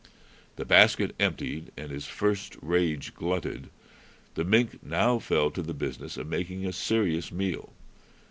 The basket emptied and his first rage glutted, the mink now fell to the business of making a serious meal.